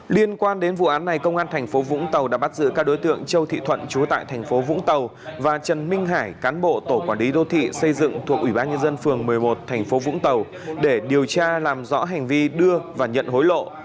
liên quan đến vụ án này công an thành phố vũng tàu đã bắt giữ các đối tượng châu thị thuận trú tại thành phố vũng tàu và trần minh hải cán bộ tổ quản lý đô thị xây dựng thuộc ủy ban nhân dân phường một mươi một thành phố vũng tàu để điều tra làm rõ hành vi đưa và nhận hối lộ